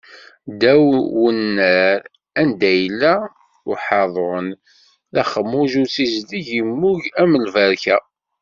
Ddaw n unnar, anda yella uḥaḍun, d axmuj n usizdeg immug am lberka.